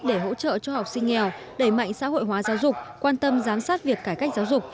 để hỗ trợ cho học sinh nghèo đẩy mạnh xã hội hóa giáo dục quan tâm giám sát việc cải cách giáo dục